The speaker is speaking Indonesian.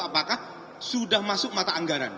apakah sudah masuk mata anggaran